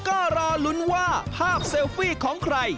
ก็รอลุ้นว่าภาพเซลฟี่ของใคร